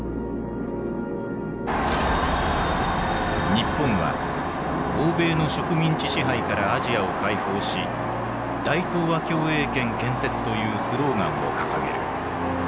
日本は欧米の植民地支配からアジアを解放し「大東亜共栄圏」建設というスローガンを掲げる。